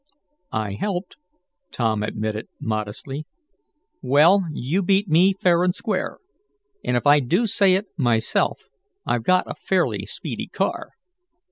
"I helped," Tom admitted modestly. "Well, you beat me fair and square, and if I do say it myself I've got a fairly speedy car.